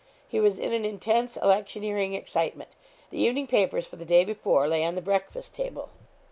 He was in an intense electioneering excitement. The evening papers for the day before lay on the breakfast table.